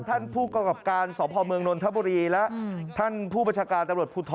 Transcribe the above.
ท่านผู้กรรมการสมภาพเมืองนนทบุรีและท่านผู้ประชาการตรวจพูดท้อ